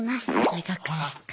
大学生か。